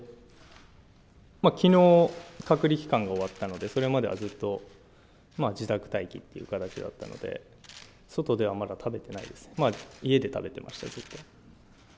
きのう隔離期間が終わったのでそれまでは、ずっと自宅待機という形だったので、外ではまだ食べてないですね。